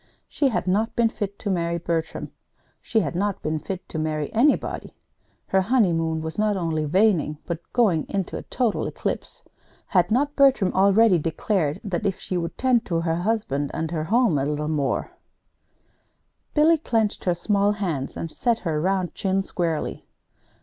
She had not been fit to marry Bertram. She had not been fit to marry anybody. Her honeymoon was not only waning, but going into a total eclipse. Had not Bertram already declared that if she would tend to her husband and her home a little more Billy clenched her small hands and set her round chin squarely.